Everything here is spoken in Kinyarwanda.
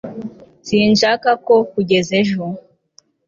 Sinshaka ko kugeza ejo